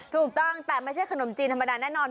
ถูกต้องแต่ไม่ใช่ขนมจีนธรรมดาแน่นอน